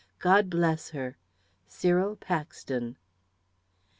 God bless her! CYRIL PAXTON."